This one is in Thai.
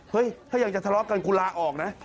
เฮ้ยถ้าอยากจะทะเลาะกันกูลาออกนะ